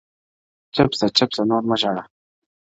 چپ سه چـــپ ســــه نور مــه ژاړه.